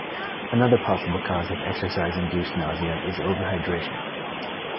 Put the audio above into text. Another possible cause of exercise induced nausea is overhydration.